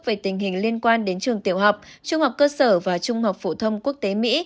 về tình hình liên quan đến trường tiểu học trung học cơ sở và trung học phổ thông quốc tế mỹ